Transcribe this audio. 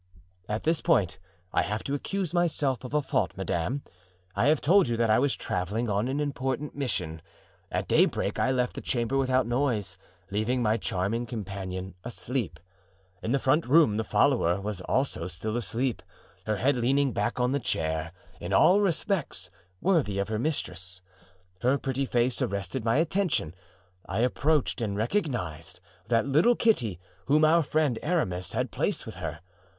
"At this point I have to accuse myself of a fault, madame. I have told you that I was traveling on an important mission. At daybreak I left the chamber without noise, leaving my charming companion asleep. In the front room the follower was also still asleep, her head leaning back on the chair, in all respects worthy of her mistress. Her pretty face arrested my attention; I approached and recognized that little Kitty whom our friend Aramis had placed with her.